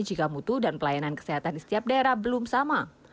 jika mutu dan pelayanan kesehatan di setiap daerah belum sama